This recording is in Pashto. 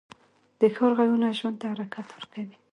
د ښار غږونه ژوند ته حرکت ورکوي